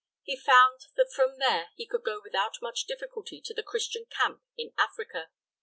He found that from there he could go without much difficulty to the Christian camp in Africa.